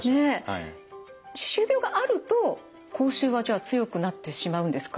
歯周病があると口臭はじゃあ強くなってしまうんですか？